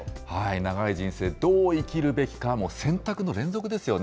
長い人生、どう生きるべきか、選択の連続ですよね。